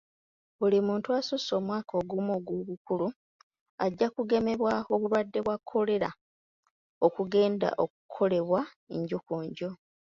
Buli muntu asussa omwaka ogumu ogw'obukulu ajja kugemebwa obulwadde bwa kolera okugenda okukolebwa nju ku nju.